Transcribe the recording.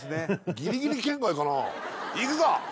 ギリギリ圏外かないくぞ